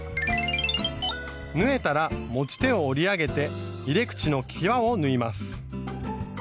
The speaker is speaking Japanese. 縫えたら持ち手を折り上げて入れ口の際を縫います。